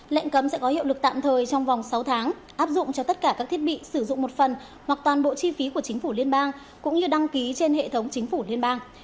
lệnh cấm sẽ có hiệu lực tạm thời trong vòng sáu tháng áp dụng cho tất cả các thiết bị sử dụng một phần hoặc toàn bộ chi phí của chính phủ liên bang cũng như đăng ký trên hệ thống chính phủ liên bang